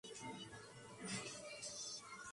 Las dos oficinas están enfocadas a esos aspectos.